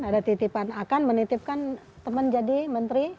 ada titipan akan menitipkan teman jadi menteri